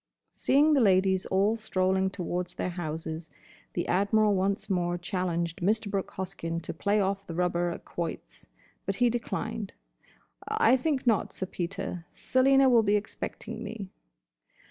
Seeing the ladies all strolling towards their houses the Admiral once more challenged Mr. Brooke Hoskyn to play off the rubber at quoits. But he declined. "I think not, Sir Peter. Selina will be expecting me."